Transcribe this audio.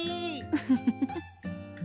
フフフフ。